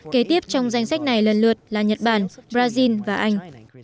kế tiếp trong danh sách này lần lượt là nhật bản brazil và anh